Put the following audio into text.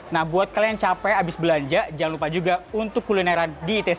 nah buat kalian capek habis belanja jangan lupa juga untuk kulineran di itc